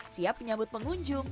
siap menyambut pengunjung